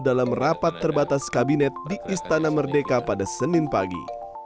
dalam rapat terbatas kabinet di istana merdeka pada senin pagi